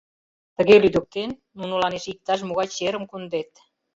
Тыге лӱдыктен, нунылан эше иктаж-могай черым кондет.